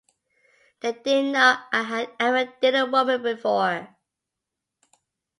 They didn't know I had ever dated a woman before.